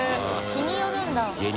日によるんだ。